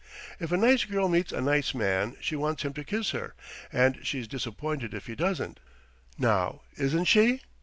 If a nice girl meets a nice man she wants him to kiss her, and she's disappointed if he doesn't. Now isn't she?"